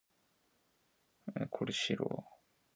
Comcaac iicot miitax hizcom, ma imaziixoj iha.